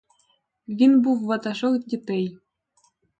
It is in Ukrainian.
Він був ватажок дітей.